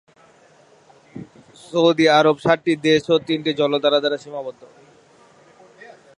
Saudi Arab সাতটি দেশ ও তিনটি জলাধার দ্বারা সীমাবদ্ধ।